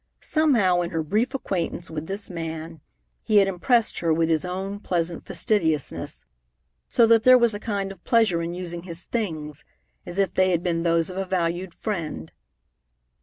Somehow, in her brief acquaintance with this man, he had impressed her with his own pleasant fastidiousness, so that there was a kind of pleasure in using his things, as if they had been those of a valued friend.